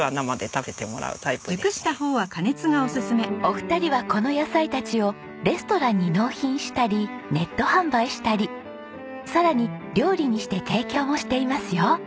お二人はこの野菜たちをレストランに納品したりネット販売したりさらに料理にして提供もしていますよ。